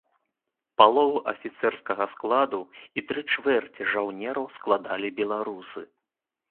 Палову афіцэрскага складу і тры чвэрці жаўнераў складалі беларусы.